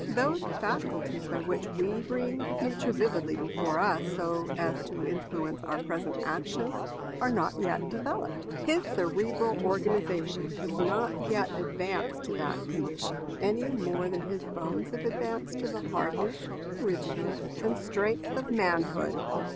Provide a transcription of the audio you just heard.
Those faculties by which we bring the future vividly before us so as to influence our present action, are not yet developed. His cerebral organization has not yet advanced to that condition, any more than his bones have advanced to the hardness, rigidness, and strength of manhood.